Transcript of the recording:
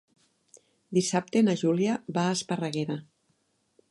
Dissabte na Júlia va a Esparreguera.